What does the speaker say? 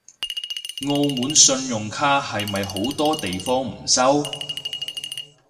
澳門信用卡係咪好多地方唔收？